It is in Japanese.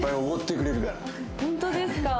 ホントですか？